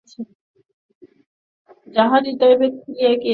যাঁহার হৃদয়-বেদ খুলিয়া গিয়াছে, তাঁহার কোন গ্রন্থের প্রয়োজন হয় না।